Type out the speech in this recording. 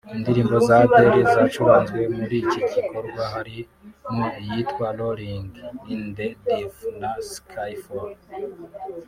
Indirimbo za Adele zacuranzwe muri iki gikorwa harimo iyitwa Rolling in The Deep na Skyfall